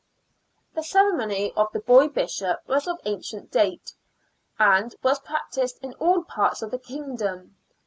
The ceremony of the boy bishop was of ancient date, and was practised in all parts of the kingdom.